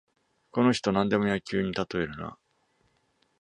この人、なんでも野球にたとえるな